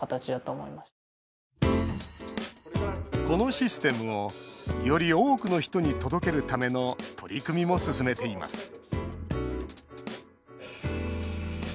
このシステムをより多くの人に届けるための取り組みも進めています。